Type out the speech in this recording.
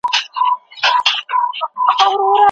سوداګر باید د کیفیت تصدیق ولري.